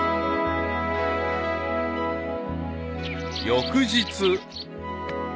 ［翌日］